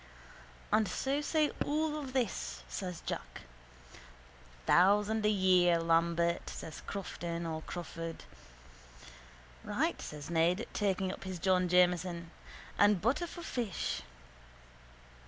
_ —And so say all of us, says Jack. —Thousand a year, Lambert, says Crofton or Crawford. —Right, says Ned, taking up his John Jameson. And butter for fish.